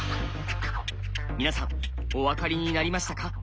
皆さんお分かりになりましたか？